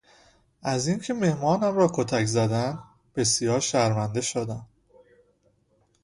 از این که مهمانم را کتک زدند بسیار شرمنده شدم.